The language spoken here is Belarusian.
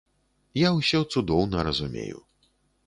Я ўсё цудоўна разумею.